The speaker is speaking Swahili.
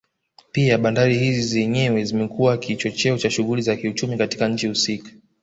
Pia bandari hizi zenyewe zimekuwa kichocheo cha shughuli za kiuchumi katika nchi husika